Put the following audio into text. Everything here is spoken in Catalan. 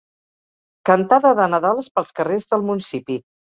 Cantada de nadales pels carrers del municipi.